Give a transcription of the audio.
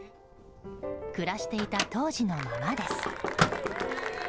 暮らしていた当時のままです。